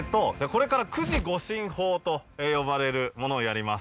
これから「九字護身法」と呼ばれるものをやります。